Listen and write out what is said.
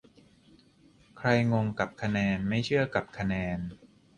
ใครงงกับคะแนน ไม่เชื่อกับคะแนน